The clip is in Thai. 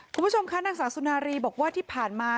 คุณผู้ชมค่ะนางสาวสุนารีบอกว่าที่ผ่านมา